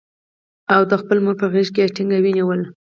او ده خپله مور په غېږ کې ټینګه ونیوله.